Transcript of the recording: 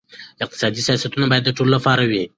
اقتصادي سیاستونه باید د ټولو لپاره وي.